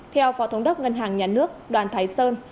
theo phó thống đốc ngân hàng nhà nước đoàn thái sơn